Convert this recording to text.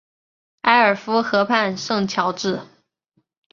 埃尔夫河畔圣乔治。